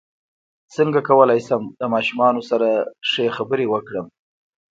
څنګه کولی شم د ماشومانو سره ښه خبرې وکړم